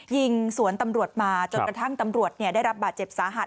ยิงสวนตำรวจมาจนกระทั่งตำรวจได้รับบาดเจ็บสาหัส